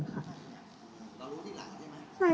เรารู้ที่หลานใช่ไหม